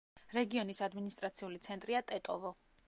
რეგიონის ადმინისტრაციული ცენტრია ტეტოვო.